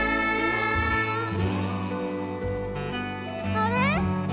あれ？